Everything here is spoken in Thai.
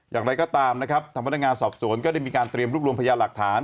อยากไรก็ตามพนักงานสอบสวนก็ได้มีการเตรียมรูขุมพยาบาลหลักฐาน